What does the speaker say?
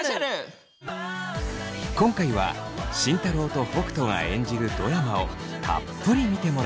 今回は慎太郎と北斗が演じるドラマをたっぷり見てもらいます。